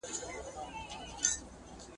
څوک له نومه سره ښخ سول چا کرلي افسانې دي ,